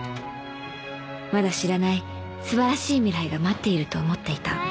［まだ知らない素晴らしい未来が待っていると思っていた］